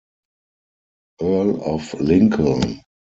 Earl of Lincoln.